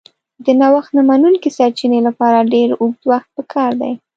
د نوښت نه منونکي سرچینې لپاره ډېر اوږد وخت پکار دی.